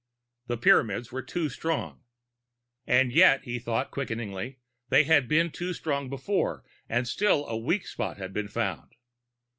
The Pyramids were too strong. And yet, he thought, quickening, they had been too strong before and still a weak spot had been found!